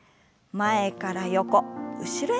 前から横後ろへ。